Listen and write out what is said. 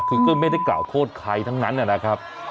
คือก็ไม่ได้กล่าวโทษใครทั้งนั้นนะครับ